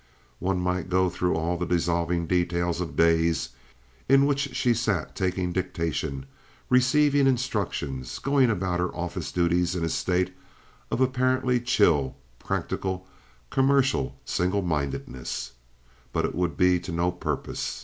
One might go through all the dissolving details of days in which she sat taking dictation, receiving instructions, going about her office duties in a state of apparently chill, practical, commercial single mindedness; but it would be to no purpose.